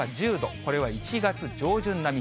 これは１月上旬並み。